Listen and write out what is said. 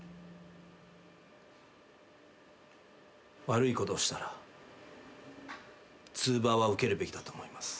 悪いことをしたらツーバーは受けるべきだと思います。